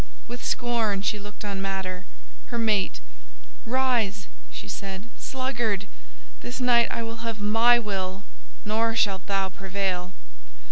With scorn she looked on Matter, her mate—"Rise!" she said. "Sluggard! this night I will have my will; nor shalt thou prevail."